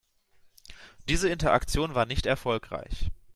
Diese Interaktion war nicht erfolgreich.